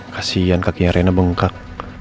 kasian kakinya rena bengkak